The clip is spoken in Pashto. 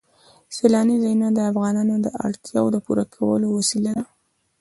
سیلانی ځایونه د افغانانو د اړتیاوو د پوره کولو وسیله ده.